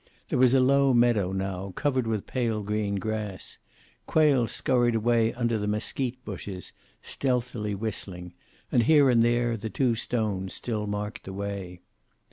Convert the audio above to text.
There was a low meadow now, covered with pale green grass. Quail scurried away under the mesquite bushes, stealthily whistling, and here and there the two stones still marked the way.